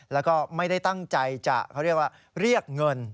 แล้วก็ไม่ได้ตั้งใจจะเขาเรียกว่าเรียกเงิน